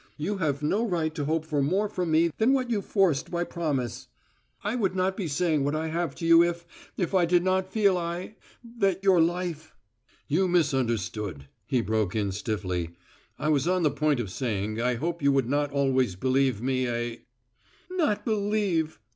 "You have no right to hope for more from me than what you forced by promise. I would not be saying what I have to you if if I did not feel I that your life " "You misunderstood," he broke in stiffly. "I was on the point of saying I hoped you would not always believe me a " "Not believe!"